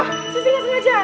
sisi ga sengaja